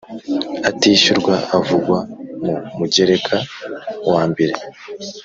atishyurwa avugwa mu Mugereka wa mbere